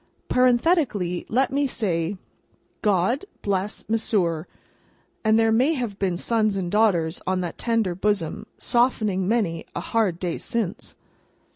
(Parenthetically let me say God bless Mesrour, and may there have been sons and daughters on that tender bosom, softening many a hard day since!)